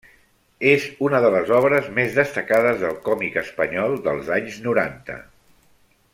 És una de les obres més destacades del còmic espanyol dels anys noranta.